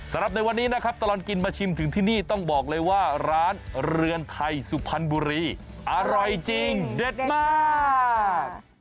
สำหรับในวันนี้นะครับตลอดกินมาชิมถึงที่นี่ต้องบอกเลยว่าร้านเรือนไทยสุพรรณบุรีอร่อยจริงเด็ดมาก